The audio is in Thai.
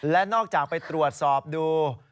และนอกจากไปตรวจสอบดู